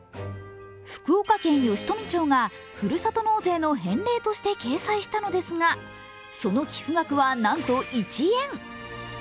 福岡県吉富町がふるさと納税の返礼として掲載したのですが、その寄付額は、なんと１円。